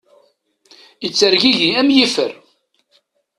Ittergigi am yifer.